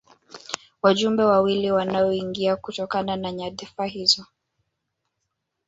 Wajumbe wawili wanaoingia kutokana na nyadhifa zao